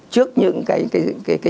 trước những cái